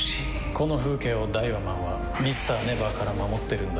この風景をダイワマンはＭｒ．ＮＥＶＥＲから守ってるんだ。